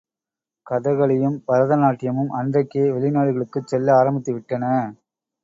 கதகளியும், பரதநாட்டியமும் அன்றைக்கே வெளிநாடுகளுக்குச் செல்ல ஆரம்பித்து விட்டன.